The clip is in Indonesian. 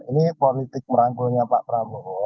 ini politik merangkulnya pak prabowo